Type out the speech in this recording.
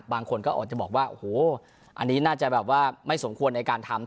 บางคนก็อาจจะบอกว่าโอ้โหอันนี้น่าจะแบบว่าไม่สมควรในการทำ